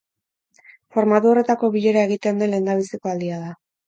Formatu horretako bilera egiten den lehendabiziko aldia da.